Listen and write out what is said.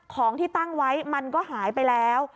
ของที่ตั้งไว้มันก็หายไปแล้ว